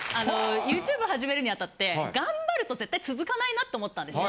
ＹｏｕＴｕｂｅ始めるにあたって頑張ると絶対続かないなって思ったんですね。